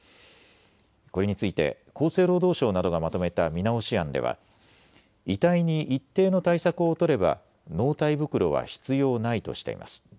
これについて厚生労働省などがまとめた見直し案では遺体に一定の対策を取れば納体袋は必要ないとしています。